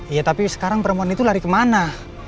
iya tapi sekarang perempuan itu lari kemana